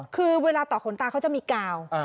คือเวลาต่อขนตาเขาจะมีกาว